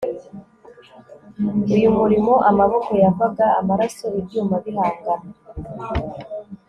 Uyu murimo amaboko yavaga amaraso ibyuma bihangana